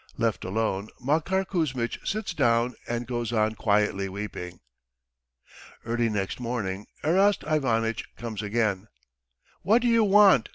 Left alone, Makar Kuzmitch sits down and goes on quietly weeping. Early next morning Erast Ivanitch comes again. "What do you want?"